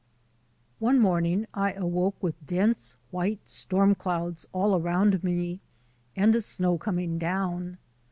One morning I awoke with dense, white storm clouds all around me and the snow coming down.